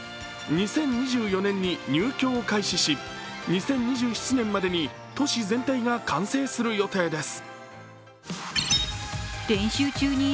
２０２４年に入居を開始し２０２７年までに都市全体が完成する予定です。